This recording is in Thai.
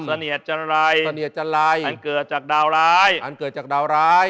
เสนียดจรัยเสนียจรัยอันเกิดจากดาวร้ายอันเกิดจากดาวร้าย